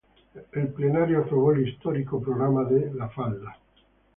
El Plenario aprobó el histórico Programa de La Falda.